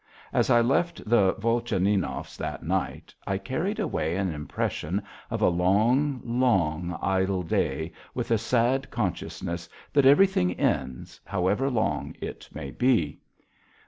As I left the Volchaninovs that night I carried away an impression of a long, long idle day, with a sad consciousness that everything ends, however long it may be.